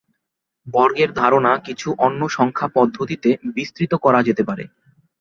বর্গের ধারণা কিছু অন্য সংখ্যা পদ্ধতিতে বিস্তৃত করা যেতে পারে।